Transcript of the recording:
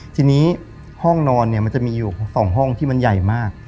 ทีนี้ห้องนอนเนี่ยมันจะมีอยู่๒ห้องที่มันใหญ่มาก